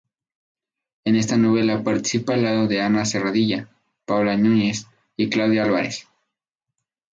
En esta novela participa al lado de Ana Serradilla, Paola Núñez y Claudia Álvarez.